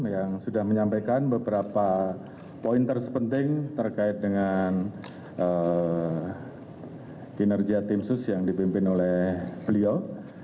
yang sudah menyampaikan beberapa poin terpenting terkait dengan kinerja tim sus yang dipimpin oleh beliau